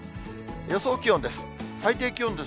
予想気温です。